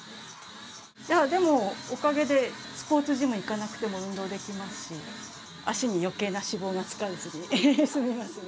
いやでもおかげでスポーツジム行かなくても運動できますし足に余計な脂肪がつかずに済みますね。